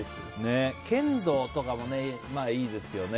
剣道とかもいいですよね